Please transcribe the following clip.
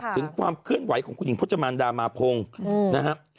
ถึงความเคลื่อนไหวของคุณหญิงพจมันดามาพงศ์นะครับ